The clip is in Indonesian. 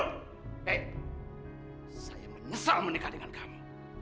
hei saya menyesal menikah dengan kamu